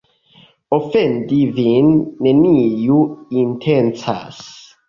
Ofendi vin neniu intencas.